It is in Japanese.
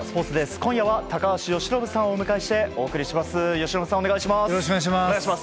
今夜は高橋由伸さんをお迎えしてお送りします。